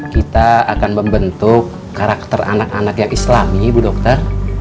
kita akan membentuk karakter anak anak yang islami ibu dokter